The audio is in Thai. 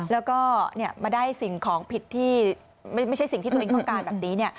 แล้วก็มาได้สิ่งของผิดที่ไม่ใช่สิ่งที่ตัวเองต้องการแบบนี้